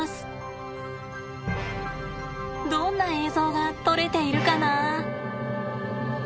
どんな映像が撮れているかな？